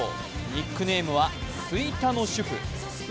ニックネームは吹田の主婦。